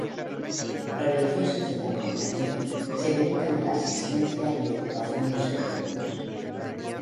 Los religiosos de la Compañía se dedican a la asistencia y educación de sordomudos.